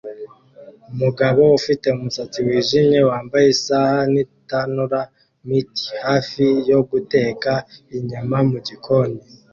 Umugabo ufite umusatsi wijimye wambaye isaha nitanura mitt hafi yo guteka inyama mugikoni